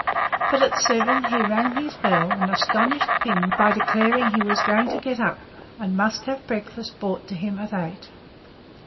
But at seven he rang his bell and astonished Pym by declaring he was going to get up, and must have breakfast brought to him at eight.